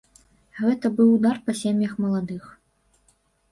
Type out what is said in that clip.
Гэта быў удар па сем'ях маладых.